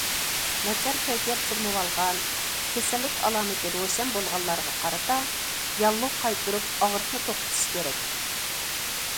ناچار كەيپىيات چىرمىۋالغان، كېسەللىك ئالامىتى روشەن بولغانلارغا قارىتا، ياللۇغ قايتۇرۇپ ئاغرىقنى توختىتىش كېرەك.